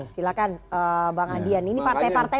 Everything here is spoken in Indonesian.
silahkan bang adian ini partai partai